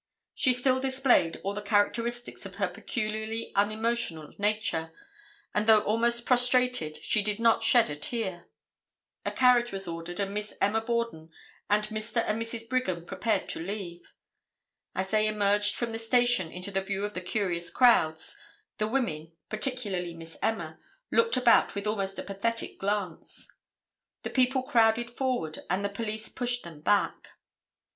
She still displayed all the characteristics of her peculiarly unemotional nature, and though almost prostrated, she did not shed a tear. A carriage was ordered and Miss Emma Borden and Mr. and Mrs. Brigham prepared to leave. As they emerged from the station into the view of the curious crowds, the women, particularly Miss Emma, looked about with almost a pathetic glance. The people crowded forward and the police pushed them back.